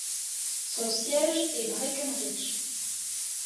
Son siège est Breckenridge.